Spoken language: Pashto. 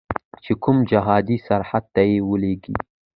چې کوم جهادي سرحد ته یې ولیږي.